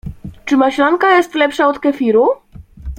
Czy maślanka jest lepsza od kefiru?